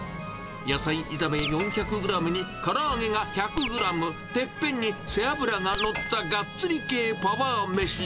野菜炒め４００グラムにから揚げが１００グラム、てっぺんに背脂が載ったがっつり系パワー飯。